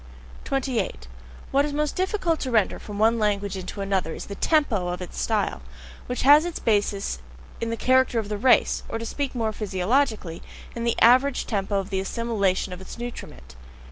28. What is most difficult to render from one language into another is the TEMPO of its style, which has its basis in the character of the race, or to speak more physiologically, in the average TEMPO of the assimilation of its nutriment.